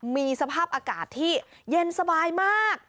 มีสภาพอากาศที่เย็นสบายมาก